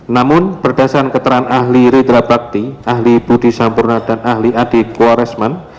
namun berdasarkan keterangan ahli redra plakti ahli budi sampurna dan ahli adi kua resman